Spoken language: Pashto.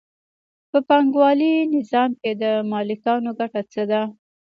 په پانګوالي نظام کې د مالکانو ګټه څه ده